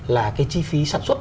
là cái chi phí sản xuất